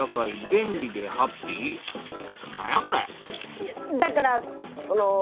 いやだからその。